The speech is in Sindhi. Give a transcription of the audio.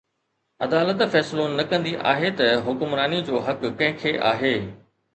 عدالت فيصلو نه ڪندي آهي ته حڪمراني جو حق ڪنهن کي آهي.